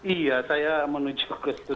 iya saya menuju ke situ